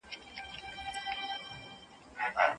د خوب بالښت باید پاک وي.